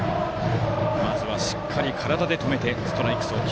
まずはしっかり体で止めてストライク送球。